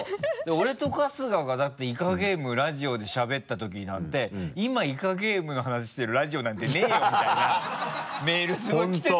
俺と春日がだって「イカゲーム」ラジオでしゃべったときなんて「今「イカゲーム」の話してるラジオなんてねぇよ！」みたいなメールすごい来てたからね。